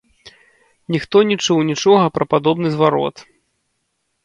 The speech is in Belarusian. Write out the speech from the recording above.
Ніхто не чуў нічога пра падобны зварот.